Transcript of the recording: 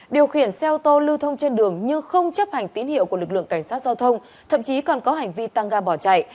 điều khiển xe ô tô lưu thông trên đường nhưng không chấp hành tín hiệu của lực lượng cảnh sát giao thông thậm chí còn có hành vi tăng ga bỏ chạy